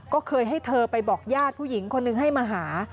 ก็เคยให้เธอไปบอกญาติผู้หญิงคนหนึ่งให้มาหา